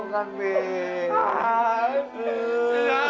jangan jauh hou